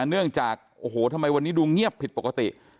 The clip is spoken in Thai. เนื่องจากโอ้โหทำไมวันนี้ดูเงียบผิดปกติ